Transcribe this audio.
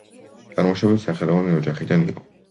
წარმოშობით სახელოვანი ოჯახიდან იყო.